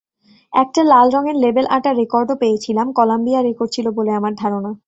একটা লাল রঙের label আঁটা রেকর্ডও পেয়েছিলাম—কলাম্বিয়া record ছিল বলে আমার ধারণা।